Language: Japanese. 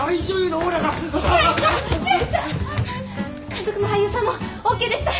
監督も俳優さんもＯＫでした。